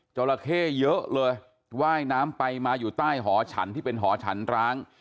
จราเข้เยอะเลยว่ายน้ำไปมาอยู่ใต้หอฉันที่เป็นหอฉันร้าง